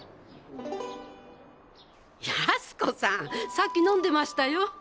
さっき飲んでましたよ。